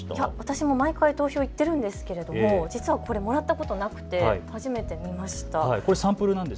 私も毎回投票、行っているんですけれども実はこれ、もらったことなくて初めて見ました。